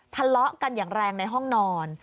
ทะเลาะกันอย่างแรงในห้องนอน